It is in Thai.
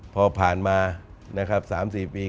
พอผ่านมานะครับ๓๔ปี